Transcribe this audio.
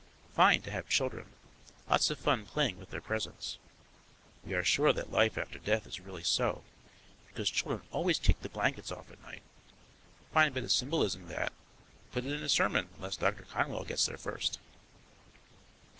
Fine to have children; lots of fun playing with their presents. We are sure that life after death is really so, because children always kick the blankets off at night. Fine bit of symbolism that; put it in a sermon, unless Doctor Conwell gets there first.